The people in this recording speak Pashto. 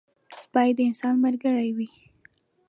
سپي د انسان ملګری وي.